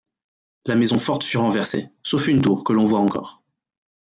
La maison forte fut renversée, sauf une tour que l'on voit encore.